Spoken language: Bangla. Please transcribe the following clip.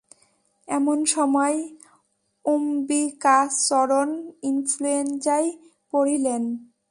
এমন সময় অম্বিকাচরণ ইনফ্লুয়েঞ্জায় পড়িলেন।